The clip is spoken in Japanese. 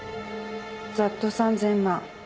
ざっと３，０００万。